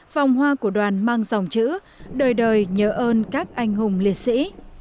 vòng hoa của đoàn mang dòng chữ đời đời nhớ ơn các anh hùng liệt sĩ